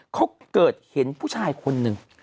เขาเกิดเห็นผู้ชายคนหนึ่ง